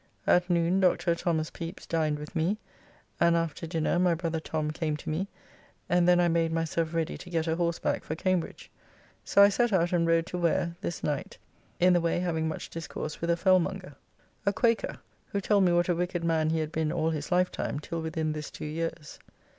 At noon Dr. Thos. Pepys dined with me, and after dinner my brother Tom came to me and then I made myself ready to get a horseback for Cambridge. So I set out and rode to Ware, this night, in the way having much discourse with a fellmonger, [A dealer in hides.] a Quaker, who told me what a wicked man he had been all his life time till within this two years.